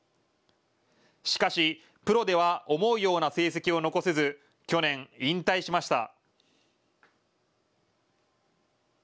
しかしプロでは思うような成績を残せず去年、引退しました。